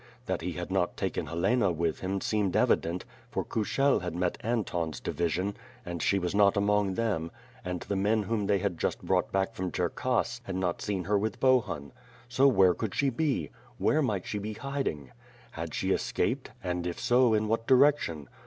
That he had not taken Helena with him seemed evident, for Kushel had met Anton's division and she was not.among them, and the men whom they had just brought back from Cherkass had not seen her with Bohun. So where could she be? Where might she be hiding? Had she es caped, and if so in what direction?